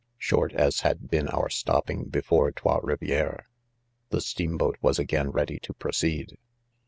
4 Short as had been our ; stopping before Trots Rivieres^ the steamboat was again ready to proceed.